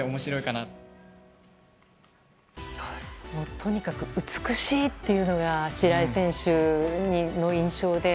とにかく美しいというのが白井選手の印象で。